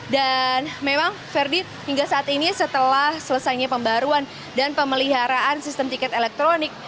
dan memang verdi hingga saat ini setelah selesainya pembaruan dan pemeliharaan sistem tiket elektronik